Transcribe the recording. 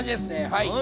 はい。